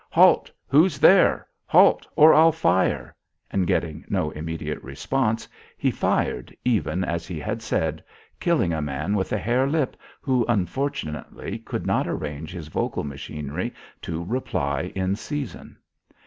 "Halt who's there? Halt or I'll fire!" And getting no immediate response he fired even as he had said, killing a man with a hair lip who unfortunately could not arrange his vocal machinery to reply in season.